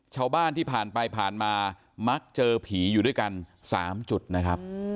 ชาวบ้านที่ผ่านไปผ่านมามักเจอผีอยู่ด้วยกัน๓จุดนะครับ